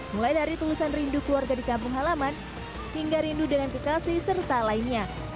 mulai dari tulisan rindu keluarga di kampung halaman hingga rindu dengan kekasih serta lainnya